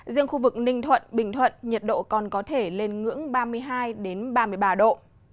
riêng khu vực ninh thuận bình thuận nhiệt độ còn có thể lên ngưỡng ba mươi hai ba mươi ba độ